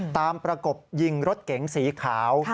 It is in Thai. ประกบยิงรถเก๋งสีขาว